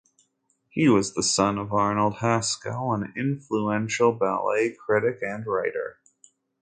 He was the son of Arnold Haskell, an influential ballet critic and writer.